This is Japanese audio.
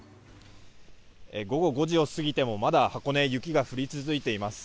午後５時を過ぎてもまだ箱根雪が降り続いています。